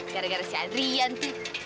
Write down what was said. gara gara si adrian tuh